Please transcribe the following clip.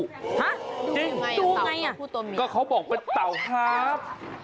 ห้ะดูไงพูดตัวเหมียวจริงดูไงก็เขาบอกเป็นเต่าฮับ